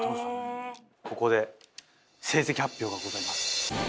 ここで成績発表がございます